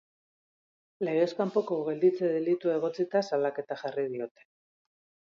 Legez kanpoko gelditze delitua egotzita salaketa jarri diote.